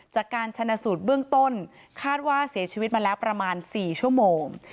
จากการชนะสูตรเบื้องต้นคาดว่าเสียชีวิตมาแล้วประมาณ๔ชั่วโมง